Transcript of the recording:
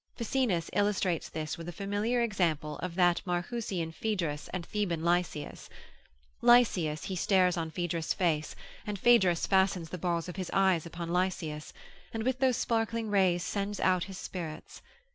Ficinus illustrates this with a familiar example of that Marrhusian Phaedrus and Theban Lycias, Lycias he stares on Phaedrus' face, and Phaedrus fastens the balls of his eyes upon Lycias, and with those sparkling rays sends out his spirits.